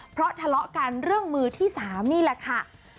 เพราะทะเลาะกันเรื่องมือที่๓นี่แหละค่ะ